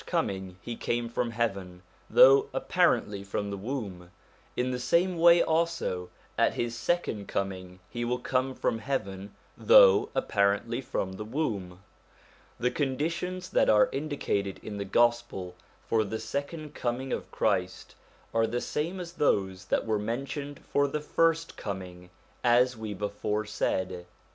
126 SOME CHRISTIAN SUBJECTS 127 At the first coining he carne from heaven, though apparently from the womb ; in the same way also, at his second coming, he will come from heaven, though apparently from the womb. The conditions that are indicated in the Gospel for the second coming of Christ are the same as those that were mentioned for the first coining, as we before said.